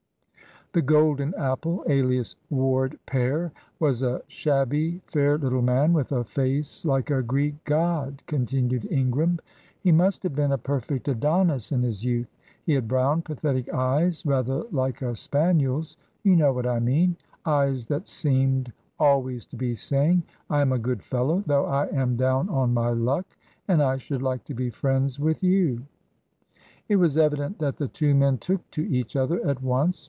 "The 'golden apple,' alias Ward père, was a shabby, fair little man with a face like a Greek god," continued Ingram. "He must have been a perfect Adonis in his youth. He had brown pathetic eyes, rather like a spaniel's you know what I mean, eyes that seemed always to be saying, 'I am a good fellow, though I am down on my luck, and I should like to be friends with you.'" It was evident that the two men took to each other at once.